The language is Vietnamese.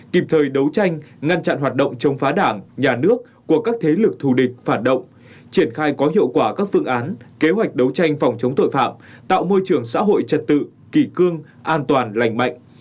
kịp thời đấu tranh ngăn chặn hoạt động chống phá đảng nhà nước của các thế lực thù địch phản động triển khai có hiệu quả các phương án kế hoạch đấu tranh phòng chống tội phạm tạo môi trường xã hội trật tự kỳ cương an toàn lành mạnh